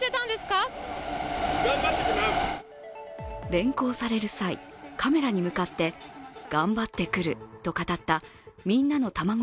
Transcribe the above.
連行される際、カメラに向かって頑張ってくると語ったみんなのたまご